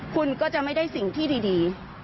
คุณก็จะไม่ได้สิ่งที่ดี